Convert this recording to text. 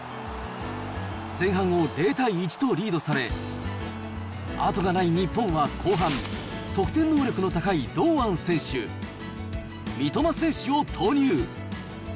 前半を０対１とリードされ、後がない日本は後半、得点能力の高い堂安選手、三笘選手を投入。